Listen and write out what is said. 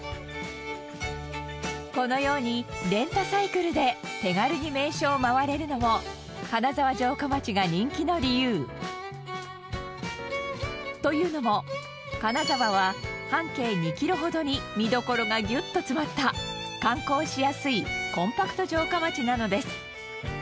このようにレンタサイクルで手軽に名所を回れるのも金沢城下町が人気の理由。というのも金沢は半径２キロほどに見どころがギュッと詰まった観光しやすいコンパクト城下町なのです。